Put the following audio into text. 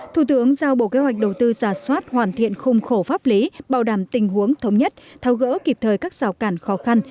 thủ tướng giao bộ kế hoạch đầu tư giả soát hoàn thiện khung khổ pháp lý bảo đảm tình huống thống nhất thao gỡ kịp thời các xào cản khó khăn